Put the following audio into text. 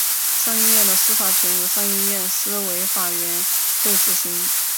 上议院的司法权由上议院司法委员会执行。